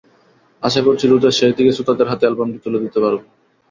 আশা করছি, রোজার শেষ দিকে শ্রোতাদের হাতে অ্যালবামটি তুলে দিতে পারব।